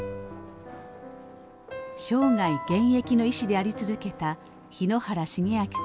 生涯現役の医師であり続けた日野原重明さん。